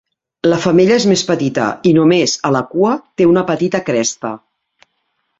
La femella és més petita i només a la cua té una petita cresta.